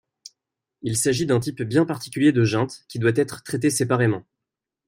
Il s'agit d'un type bien particulier de juntes, qui doit être traité séparément.